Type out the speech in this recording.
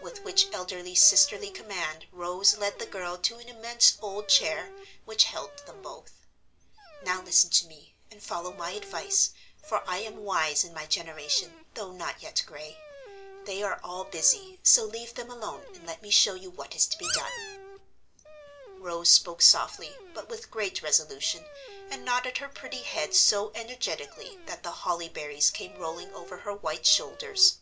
With which elder sisterly command Rose led the girl to an immense old chair, which held them both. "Now listen to me and follow my advice, for I am wise in my generation, though not yet gray. They are all busy, so leave them alone and let me show you what is to be done." Rose spoke softly, but with great resolution, and nodded her pretty head so energetically that the holly berries came rolling over her white shoulders.